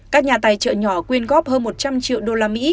các nhà tài trợ nhỏ quyên góp hơn một trăm linh triệu đô la mỹ